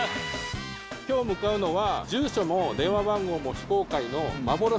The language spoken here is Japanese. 今日向かうのは。